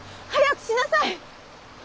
早くしなさい！